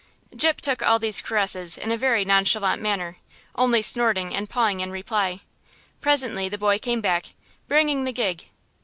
Gyp took all these caresses in a very nonchalant manner, only snorting and pawing in reply. Presently the boy came back, bringing the gig.